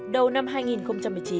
đầu năm hai nghìn một mươi chín